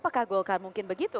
apakah golkar mungkin begitu